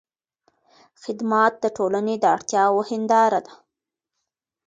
خدمت د ټولنې د اړتیاوو هنداره ده.